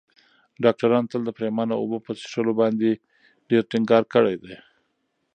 ډاکترانو تل د پرېمانه اوبو په څښلو باندې ډېر ټینګار کړی دی.